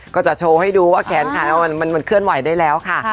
ก็จะโชว์ให้ดูว่าแขนขามันเคลื่อนไหวได้แล้วค่ะ